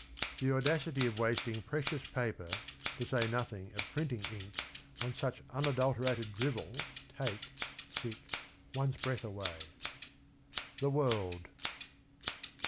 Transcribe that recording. The audacity of wasting precious paper, to say nothing of printing ink, on such unadulterated drivel take {sic) one's breath away." — The World.